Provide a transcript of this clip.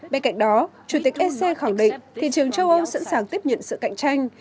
bên cạnh đó chủ tịch ec khẳng định thị trường châu âu sẵn sàng tiếp nhận sự cạnh tranh